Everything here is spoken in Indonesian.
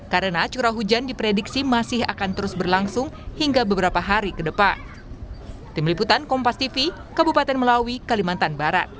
karena curah hujan diprediksi masih akan terus berlangsung hingga beberapa hari ke depan